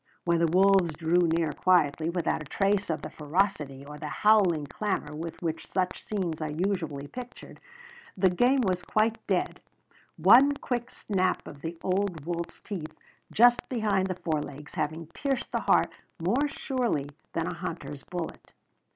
When the wolves drew near quietly, without a trace of the ferocity or the howling clamor with which such scenes are usually pictured, the game was quite dead, one quick snap of the old wolf's teeth just behind the fore legs having pierced the heart more surely than a hunter's bullet.